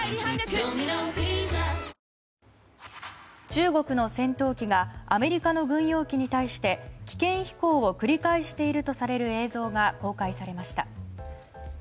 中国の戦闘機がアメリカの軍用機に対して危険飛行を繰り返しているとされる映像が公開されました。